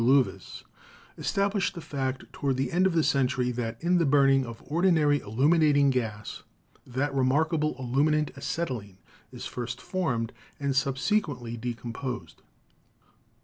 Lewes, established the fact toward the end of the century that in the burning of ordinary illuminating gas that remarkable illuminant acetylene is first formed and subsequently de composed.